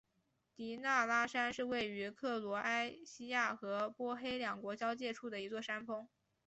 迪纳拉山是位于克罗埃西亚和波黑两国交界处的一座山峰。